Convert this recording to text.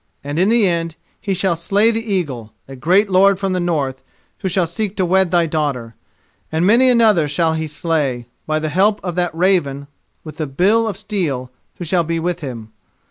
And in the end he shall slay the eagle, a great lord from the north who shall seek to wed thy daughter, and many another shall he slay, by the help of that raven with the bill of steel who shall be with him.